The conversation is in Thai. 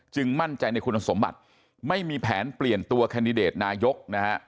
มั่นใจในคุณสมบัติไม่มีแผนเปลี่ยนตัวแคนดิเดตนายกนะฮะ